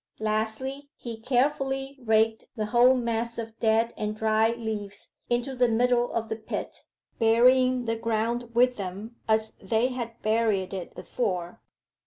Lastly he carefully raked the whole mass of dead and dry leaves into the middle of the pit, burying the ground with them as they had buried it before.